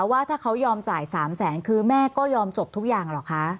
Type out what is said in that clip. ว่าถ้าเขายอมจ่าย๓แสนคือแม่ก็ยอมจบทุกอย่างเหรอคะ